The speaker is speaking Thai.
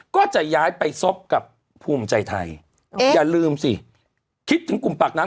ก็จะย้ายไปซบกับภูมิใจไทยอย่าลืมสิคิดถึงกลุ่มปากน้ำ